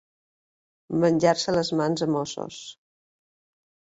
Menjar-se les mans a mossos.